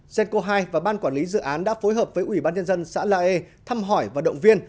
cenco hai và ban quản lý dự án đã phối hợp với ủy ban nhân dân xã la e thăm hỏi và động viên